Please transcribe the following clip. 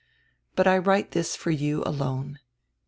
But I write this for you alone.